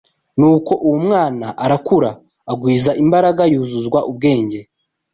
Nuko uwo mwana arakura, agwiza imbaraga, yuzuzwa ubwenge